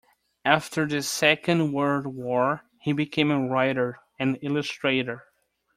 After the Second World War, he became a writer and illustrator.